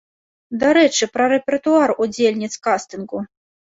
Дарэчы, пра рэпертуар удзельніц кастынгу.